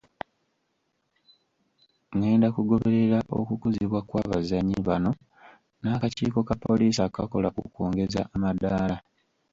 Ngenda kugoberera okukuzibwa kwabazannyi bano nakakiiko ka poliisi akakola ku kwongeza amadaala.